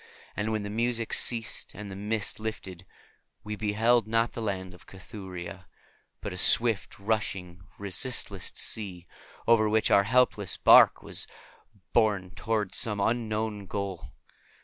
And when the music ceased and the mist lifted, we beheld not the Land of Cathuria, but a swift rushing resistless sea, over which our helpless barque was borne toward some unknown goal.